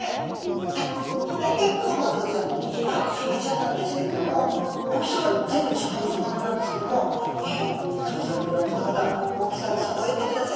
さあ左がクロマグロちゃん右がサバちゃんなんですけれども大きさは随分違うお魚なんですけども黒ずくめのお二方大きさそろえてくださいました。